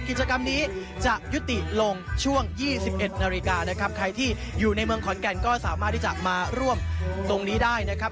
กิจกรรมนี้จะยุติลงช่วง๒๑นาฬิกานะครับใครที่อยู่ในเมืองขอนแก่นก็สามารถที่จะมาร่วมตรงนี้ได้นะครับ